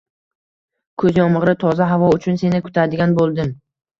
Kuz yomg‘iri, toza havo uchun seni kutadigan bo‘ldim...ng